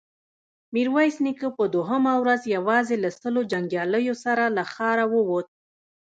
ميرويس نيکه په دوهمه ورځ يواځې له سلو جنګياليو سره له ښاره ووت.